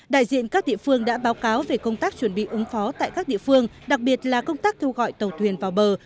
đại diện các địa phương đã báo cáo về công tác chuẩn bị ứng phó tại các địa phương đặc biệt là công tác kêu gọi tàu thuyền vào bờ